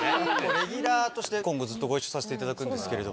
レギュラーとして今後ずっとご一緒させていただくんですけど。